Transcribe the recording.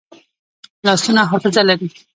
لاسونه حافظه لري